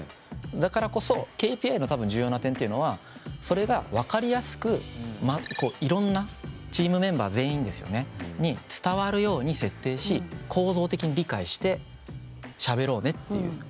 だからこそＫＰＩの多分重要な点っていうのはそれが分かりやすくいろんなチームメンバー全員ですよねに伝わるように設定し構造的に理解してしゃべろうねっていう。